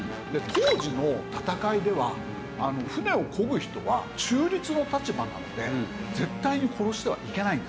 当時の戦いでは船をこぐ人は中立の立場なので絶対に殺してはいけないんです。